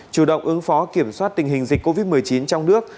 chủ động ứng phó kiểm soát tình hình dịch covid một mươi chín trong nước